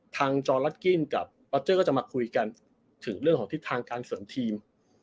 จอร์ลัสกิ้นกับปอเจอร์ก็จะมาคุยกันถึงเรื่องของทิศทางการเสริมทีม